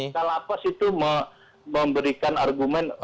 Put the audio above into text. pasar lapas itu memberikan argumen begitu pak